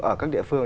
ở các địa phương